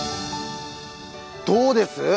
どうです？